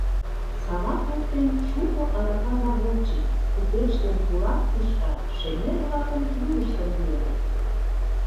Савак воктен шуко арака заводчик, купеч ден кулак тӱшка шемер-влакын вӱрыштым йӱыныт.